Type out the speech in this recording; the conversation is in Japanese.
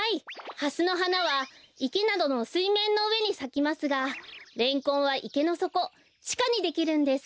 ハスのはなはいけなどのすいめんのうえにさきますがレンコンはいけのそこちかにできるんです。